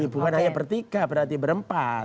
bukan hanya bertiga berarti berempat